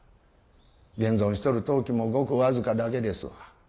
現存しとる陶器もごくわずかだけですわ。